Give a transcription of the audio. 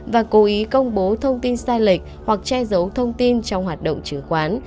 và cố ý công bố thông tin sai lệch hoặc che giấu thông tin trong hoạt động chứng khoán